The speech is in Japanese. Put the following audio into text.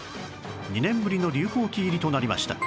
２年ぶりの流行期入りとなりました